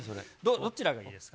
どちらがいいですか？